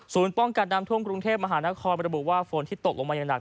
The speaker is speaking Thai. ป้องกันน้ำท่วมกรุงเทพมหานครประบุว่าฝนที่ตกลงมาอย่างหนัก